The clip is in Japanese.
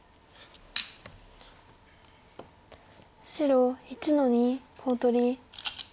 白１の二コウ取り。